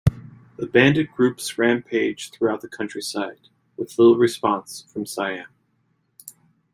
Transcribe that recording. The bandit groups rampaged throughout the countryside, with little response from Siam.